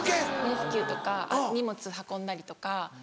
レスキューとか荷物運んだりとか。